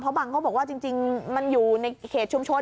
บางเขาบอกว่าจริงมันอยู่ในเขตชุมชน